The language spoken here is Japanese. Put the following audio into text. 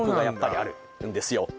やっぱりあるんですよ